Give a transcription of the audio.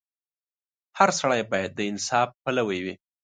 • هر سړی باید د انصاف پلوی وي.